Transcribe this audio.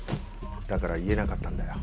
だから言えなかったんだよ。